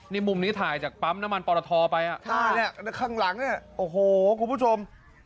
นี่มุมนี้ถ่ายจากปั๊มน้ำมันปรทไปข้างหลังเนี่ยโอ้โหคุณผู้ชม